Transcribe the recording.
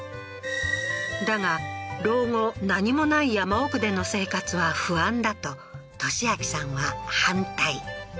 だが老後何もない山奥での生活は不安だと俊明さんは反対